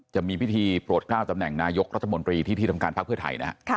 จะมีพิธีโปรดกล้าวตำแหน่งนายกรัฐมนตรีที่ที่ทำการพักเพื่อไทยนะฮะ